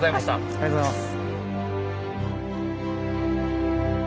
ありがとうございます。